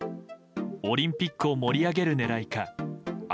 オリンピックを盛り上げる狙いか